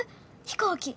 飛行機。